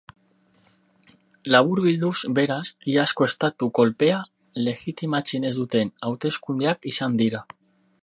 Laburbilduz beraz, iazko estatu kolpea legitimatzen ez duten hauteskundeak izan dira.